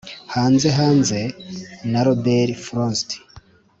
"hanze, hanze -" na robert frost